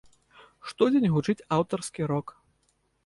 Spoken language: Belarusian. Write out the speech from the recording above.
Штодзень гучыць аўтарскі рок.